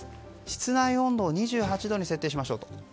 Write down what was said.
室内温度を２８度の設定しましょうと。